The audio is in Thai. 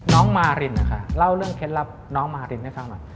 น้องมารินนะคะเล่าเรื่องเคล็ดลับน้องมารินให้ฟังหน่อย